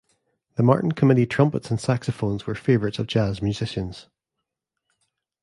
The Martin Committee trumpets and saxophones were favorites of jazz musicians.